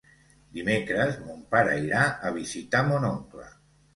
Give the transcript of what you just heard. Dimecres mon pare irà a visitar mon oncle.